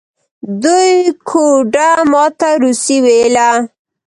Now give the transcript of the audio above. دوی ګوډه ما ته روسي ویله.